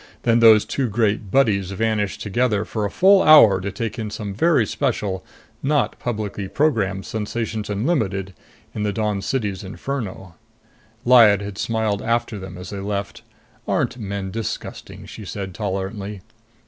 Then those two great buddies vanished together for a full hour to take in some very special, not publicly programmed Sensations Unlimited in the Dawn City's Inferno. Lyad had smiled after them as they left. "Aren't men disgusting?" she said tolerantly.